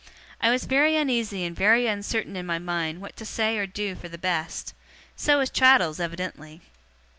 I was very uneasy and very uncertain in my mind what to say or do for the best so was Traddles, evidently.